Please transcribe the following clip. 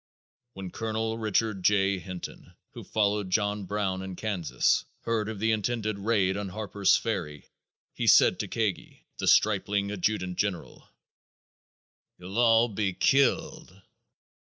When Colonel Richard J. Hinton, who followed John Brown in Kansas, heard of the intended raid on Harper's Ferry, he said to Kagi, the stripling adjutant general: "You'll all be killed."